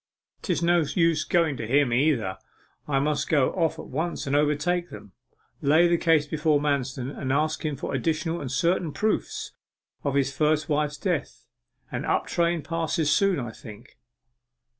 ''Tis no use going to him, either. I must go off at once and overtake them lay the case before Manston, and ask him for additional and certain proofs of his first wife's death. An up train passes soon, I think.